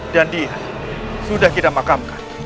dan dia sudah kita makamkan